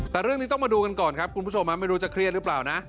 แต่เรื่องนี้ต้องมาดูกันก่อนครับคุณผู้ชมไม่รู้จะเครียดหรือเปล่านะ